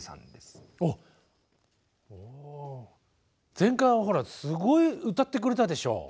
前回はほらすごい歌ってくれたでしょう。